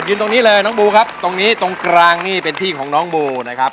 ตรงนี้เลยน้องโบครับตรงนี้ตรงกลางนี่เป็นที่ของน้องโบนะครับ